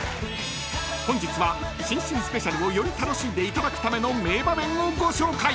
［本日は新春スペシャルをより楽しんでいただくための名場面をご紹介。